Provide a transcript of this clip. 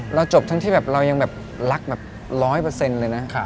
เราจบทั้งที่เรายังแบบรักแบบร้อยเปอร์เซ็นต์เลยนะ